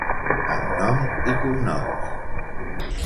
Amb nom i cognoms.